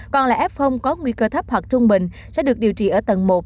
còn là f có nguy cơ thấp hoặc trung bình sẽ được điều trị ở tầng một